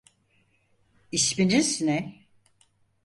İsminiz ne?